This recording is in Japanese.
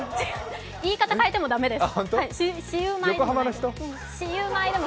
言い方変えても駄目です。